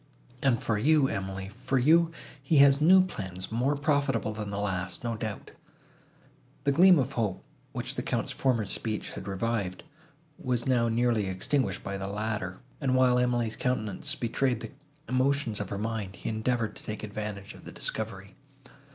And for you, Emily, for you, he has new plans more profitable than the last, no doubt." The gleam of hope, which the Count's former speech had revived, was now nearly extinguished by the latter; and, while Emily's countenance betrayed the emotions of her mind, he endeavoured to take advantage of the discovery.